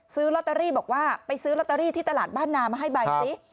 ซื้อลอตเตอรี่บอกว่าไปซื้อลอตเตอรี่ที่ตลาดบ้านนามาให้ใบสิ